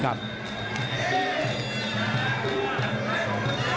ครับ